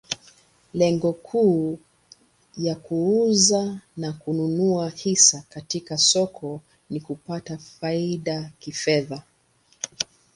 Lengo kuu ya kuuza na kununua hisa katika soko ni kupata faida kifedha.